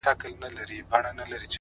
• هم غښتلی ښکرور وو تر سیالانو ,